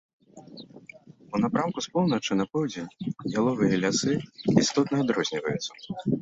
У напрамку з поўначы на поўдзень яловыя лясы істотна адрозніваюцца.